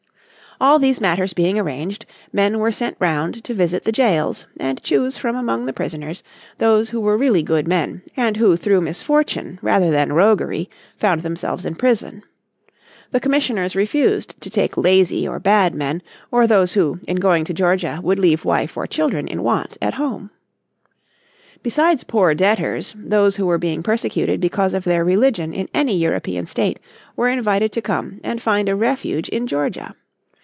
All these matters being arranged, men were sent round to visit the jails, and choose from among the prisoners those who were really good men and who through misfortune, rather than roguery, found themselves in prison. The Commissioners refused to take lazy or bad men, or those who, in going to Georgia, would leave wife or children in want at home. Besides poor debtors those who were being persecuted because of their religion in any European State were invited to come and find a refuge in Georgia.